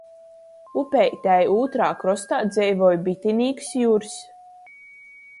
Upeitei ūtrā krostā dzeivoj bitinīks Jurs.